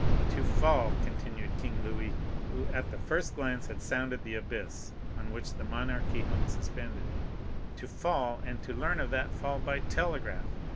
"To fall," continued King Louis, who at the first glance had sounded the abyss on which the monarchy hung suspended,—"to fall, and learn of that fall by telegraph!